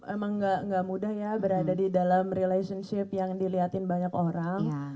emang gak mudah ya berada di dalam relationship yang dilihatin banyak orang